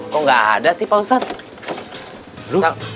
kok nggak ada sih pak ustadz